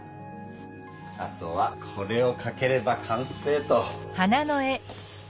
あとはこれをかければ完成と。